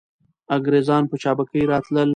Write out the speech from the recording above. انګریزان په چابکۍ راتلل.